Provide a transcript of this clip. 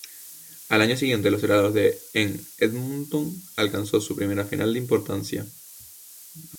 Al año siguiente en los celebrados en Edmonton, alcanzó su primera final de importancia.